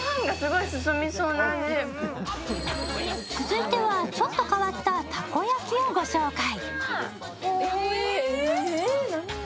続いてはちょっと変わったたこ焼きをご紹介。